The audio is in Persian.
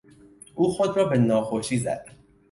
او خود را به ناخوشی زد.